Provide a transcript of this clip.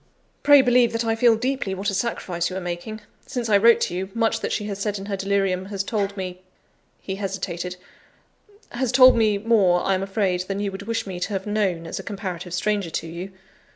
"Pray believe that I feel deeply what a sacrifice you are making. Since I wrote to you, much that she has said in her delirium has told me" (he hesitated) "has told me more, I am afraid, than you would wish me to have known, as a comparative stranger to you.